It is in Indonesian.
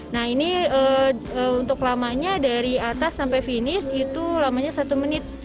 nah ini untuk lamanya dari atas sampai finish itu lamanya satu menit